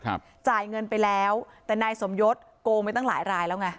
จ่ายเงินไปแล้วแต่นายสมยศโกงไปตั้งหลายรายแล้วไง